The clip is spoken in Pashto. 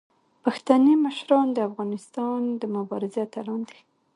پښتني مشران د افغانستان د مبارزې اتلان دي.